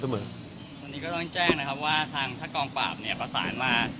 วันนี้ก็ต้องแจ้งนะครับว่าทางถ้ากองปราบเนี่ยประสานมา